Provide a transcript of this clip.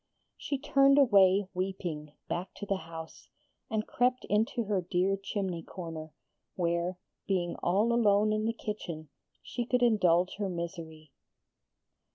She turned away weeping, back to the house, and crept into her dear chimney corner; where, being all alone in the kitchen, she could indulge her misery.